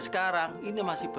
suara apa itu